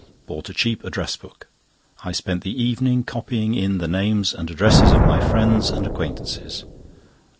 Bought a cheap address book. I spent the evening copying in the names and addresses of my friends and acquaintances.